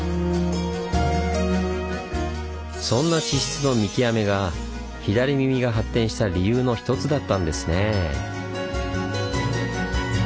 そんな地質の見極めが「左耳」が発展した理由の一つだったんですねぇ。